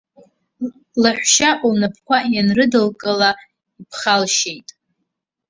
Лаҳәшьа лнапқәа ианрыдылкыла, иԥхалшьеит.